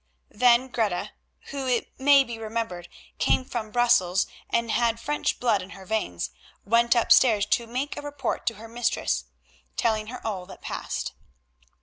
Then Greta, who, it may be remembered, came from Brussels, and had French blood in her veins, went upstairs to make a report to her mistress, telling her all that passed.